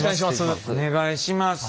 お願いします。